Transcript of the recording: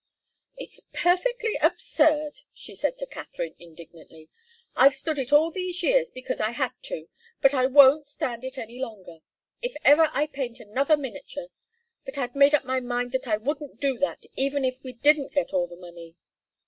"It's perfectly absurd," she said to Katharine, indignantly. "I've stood it all these years because I had to but I won't stand it any longer. If ever I paint another miniature! But I'd made up my mind that I wouldn't do that, even if we didn't get all the money."